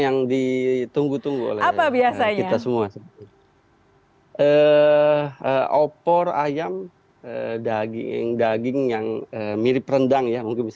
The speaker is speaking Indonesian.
yang ditunggu tunggu apa biasanya kita semua eh opor ayam daging daging yang mirip rendang